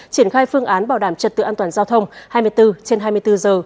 triển khai phương án bảo đảm trật tự an toàn giao thông hai mươi bốn trên hai mươi bốn giờ